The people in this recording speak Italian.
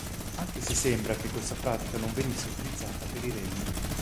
Anche se sembra che questa pratica non venisse utilizzata per i regni.